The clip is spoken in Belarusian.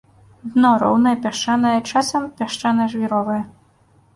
Дно роўнае, пясчанае, часам пясчана-жвіровае.